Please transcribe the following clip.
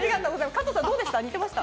加藤さん、どうでした？